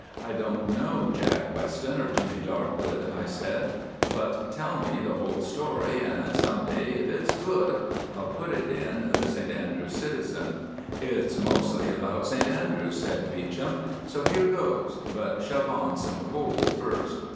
"I don't know Jack Weston or Jimmy Darkgood," I said, "but tell me the whole story, and some day, if it's good, I'll put it in the St Andrews Citizen." "It's mostly about St Andrews," said Beauchamp, "so here goes, but shove on some coals first."